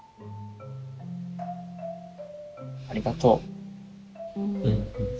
ありがとう。